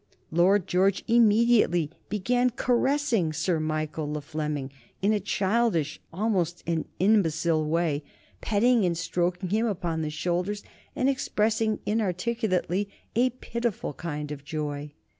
Lord George immediately began caressing Sir Michael le Fleming in a childish, almost in an imbecile way, patting and stroking him upon the shoulders, and expressing inarticulately a pitiful kind of joy.